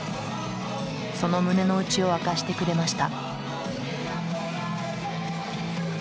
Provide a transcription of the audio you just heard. その胸の内を明かしてくれました。